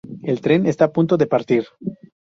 El tren está a punto de partir.